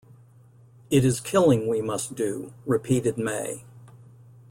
"It is killing we must do," repeated May.